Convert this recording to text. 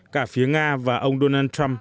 cả phía nga và ông donald trump